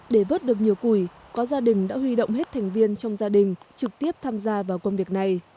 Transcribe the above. để vớt được nhiều củi có gia đình đã huy động hết thành viên trong gia đình trực tiếp tham gia vào công việc này